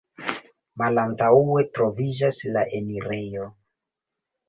Malantaŭe troviĝas la enirejo.